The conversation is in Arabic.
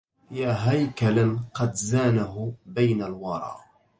يا هيكلا قد زانه بين الورى